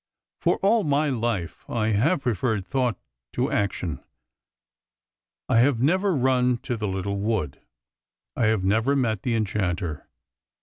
For all my life I have preferred thought to action; I have never run to the little wood; I have never met the enchanter.